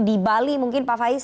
di bali mungkin pak faiz